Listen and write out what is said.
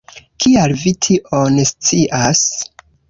Kial vi tion scias?